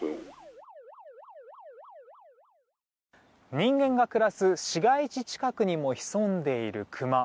人間が暮らす市街地近くにも潜んでいるクマ。